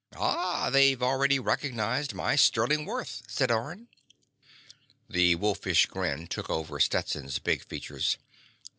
"Ah, they've already recognized my sterling worth," said Orne. The wolfish grin took over Stetson's big features.